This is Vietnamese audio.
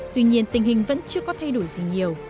tuy nhiên tình hình vẫn chưa có thay đổi gì nhiều